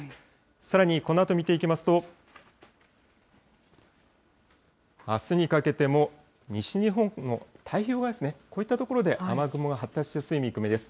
さらにこのあと見ていきますと、あすにかけても西日本の太平洋側ですね、こういった所で雨雲が発達しやすい見込みです。